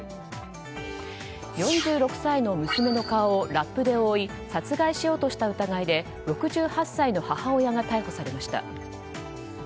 ４６歳の娘の顔をラップで覆い殺害しようとした疑いで６８歳の母親が逮捕されました。